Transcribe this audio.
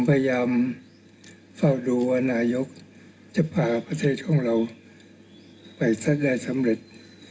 พยายามเฝ้าดูว่านายกจะพาประเทศของเราไปซะได้สำเร็จ